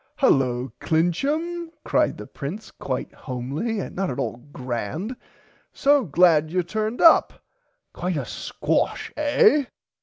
Hullo Clincham cried the Prince quite homely and not at all grand so glad you turned up quite a squash eh.